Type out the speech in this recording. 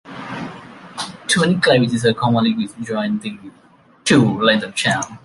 Twin clevises are commonly used to join two lengths of chain.